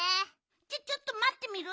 じゃあちょっとまってみる？